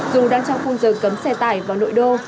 dù đang trong khung giờ cấm xe tải vào nội đô